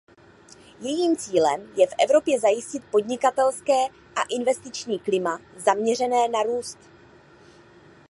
Jejím cílem je v Evropě zajistit podnikatelské a investiční klima zaměřené na růst.